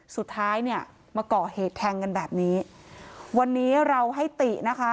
สุดท้ายเนี่ยมาก่อเหตุแทงกันแบบนี้วันนี้เราให้ตินะคะ